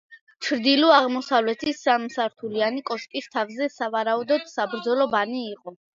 ჩრდილო-აღმოსავლეთის სამსართულიანი კოშკის თავზე, სავარაუდოდ, საბრძოლო ბანი იყო.